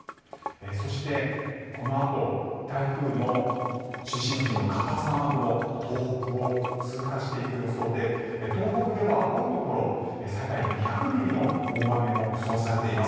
そして、このあと台風の中心付近の活発な雨雲東北を通過していく予想で東北では多いところ最大２００ミリの大雨も予想されています。